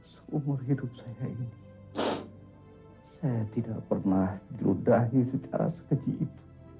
seumur hidup saya ini saya tidak pernah diludahi secara sekejip